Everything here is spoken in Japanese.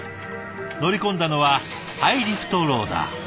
乗り込んだのはハイリフトローダー。